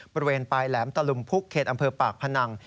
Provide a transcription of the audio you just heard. บริเวณปลายแหลมตะลุมพุกเขตอำเภอปากพนัง